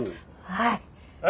はい！